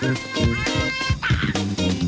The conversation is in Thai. ข้าวใส่ไทยสอบกว่าใครใหม่กว่าเดิมค่อยเมื่อล่า